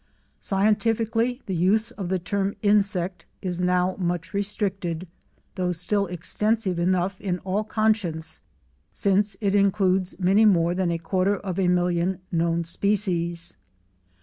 Scientifically the use of the term Insect is now much restricted, though still extensive enough in all conscience, since it includes many more than a quarter of a million known species.